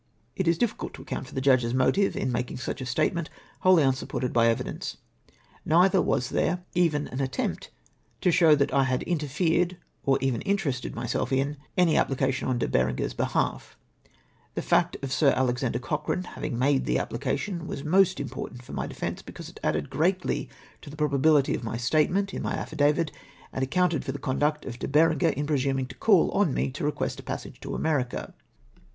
It is difficidt to account for the judge's motive in maldng such a statement, whoUy unsupported by evi dence. Neither was there even an attempt to show B B 4 376 AND UXWAREANTABLE CONJECTURES, that I had ever interfered or even interested myself in any apphcation on De Berenger's behalf. The fact of Sir Alexander Cochrane having made the application was most impoilant for my defence, because it added greatly to the probabihty of my statement in my affi davit, and accounted for the conduct of De Berenger in presuming to call on me to request a passage to America.